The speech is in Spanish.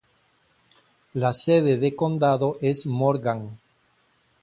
La sede de condado es Morgan.